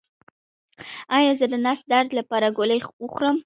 ایا زه د نس درد لپاره ګولۍ وخورم؟